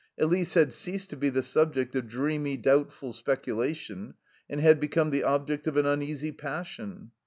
Elise had ceased to be the subject of dreamy, doubtful speculation and had become the object of an uneasy passion.